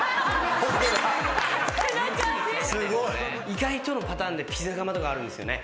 意外とのパターンでピザ窯とかあるんですよね。